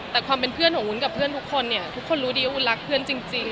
แต่ความเป็นเพื่อนของวุ้นกับเพื่อนทุกคนเนี่ยทุกคนรู้ดีว่าวุ้นรักเพื่อนจริง